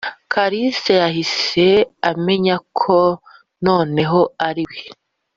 kalisa yahise amenya ko noneho ariwe,